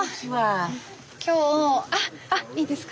今日あっいいですか？